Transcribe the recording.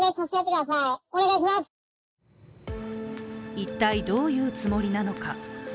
一体、どういうつもりなのか。